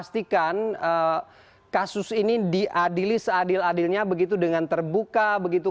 pastikan kasus ini diadili seadil adilnya begitu dengan terbuka begitu